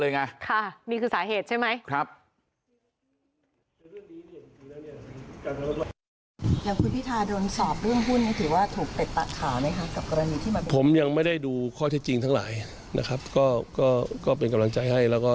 นี่คือสาเหตุใช่ไหม